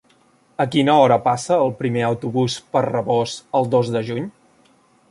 A quina hora passa el primer autobús per Rabós el dos de juny?